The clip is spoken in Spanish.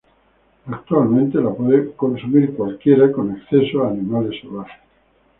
Actualmente puede ser consumida con cualquiera con acceso a animales salvajes.